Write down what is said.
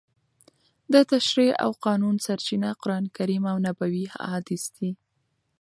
د تشریع او قانون سرچینه قرانکریم او نبوي احادیث دي.